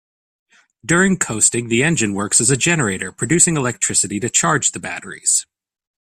During coasting the engine works as a generator producing electricity to charge the batteries.